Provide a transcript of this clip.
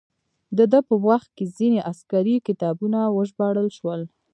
د ده په وخت کې ځینې عسکري کتابونه وژباړل شول.